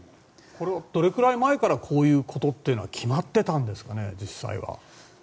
どれくらい前から実際こういうことは決まってたんですかね。